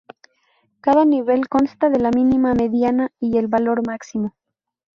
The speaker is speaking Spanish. Cada nivel consta de la mínima, mediana, y el valor máximo.